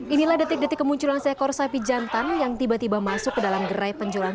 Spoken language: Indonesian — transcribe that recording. inilah detik detik kemunculan seekor sapi jantan yang tiba tiba masuk ke dalam gerai penjualan